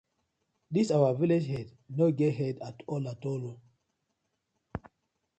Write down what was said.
Dis our villag head no get head atoll atoll oo.